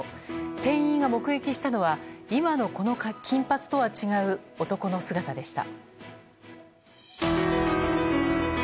店員が目撃したのは今のこの金髪とは違う男の姿でした。